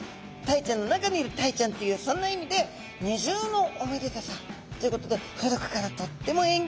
タイちゃんの中にいるタイちゃんっていうそんな意味で二重のおめでたさ！っていうことで古くからとっても縁起がいいものとされています。